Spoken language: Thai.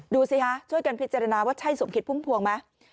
ดูสิฮะช่วยกันพิจารณาว่าใช่สมคิดพุ่มพวงไหม